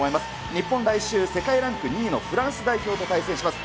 日本、来週、世界ランク２位のフランスと対戦します。